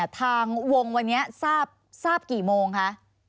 ทางวงวันนี้ทราบกี่โมงคะ